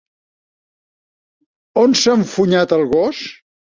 On s'ha enfonyat, el gos?